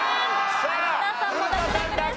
有田さんも脱落です。